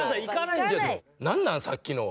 何なんさっきの？